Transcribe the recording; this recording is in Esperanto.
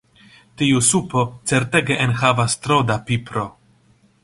Tiu supo certege enhavas tro da pipro.